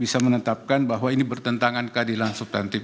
bisa menetapkan bahwa ini bertentangan keadilan subtantif